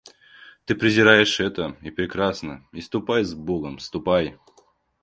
Ты презираешь это, и прекрасно, и ступай с Богом, ступай!